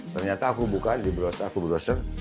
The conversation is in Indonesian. ternyata aku buka di browser